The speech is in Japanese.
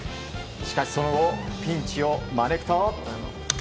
しかしその後ピンチを招くと。